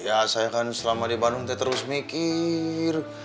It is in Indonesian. ya saya kan selama di bandung terus mikir